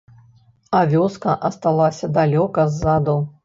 А вёска асталася далёка ззаду.